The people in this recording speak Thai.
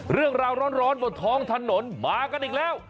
เรื่องราวร้อนบนท้องถนนมากันอีกแล้ว